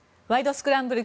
スクランブル」